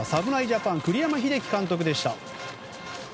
ジャパン栗山英樹監督でした。